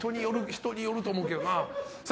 人によると思うけどな。